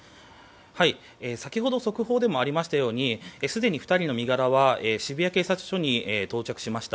先ほど速報でもありましたようにすでに２人の身柄は渋谷警察署に到着しました。